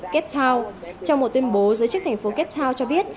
cape town trong một tuyên bố giới chức thành phố cape town cho biết